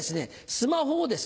スマホをですね